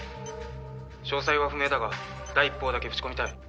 「詳細は不明だが第一報だけぶち込みたい」